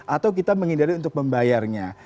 atau kita menghindari untuk membayarnya